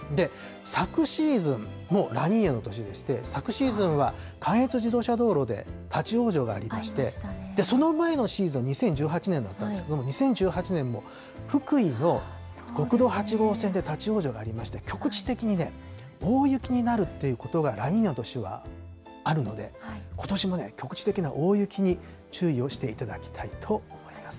昨シーズンもラニーニャの年でして、昨シーズンは関越自動車道路で立往生がありまして、その前のシーズン、２０１８年だったんですけれども、２０１８年も福井の国道８号線で立往生がありまして、局地的に大雪になるっていうことが、ラニーニャの年はあるので、ことしも局地的な大雪に注意をしていただきたいと思います。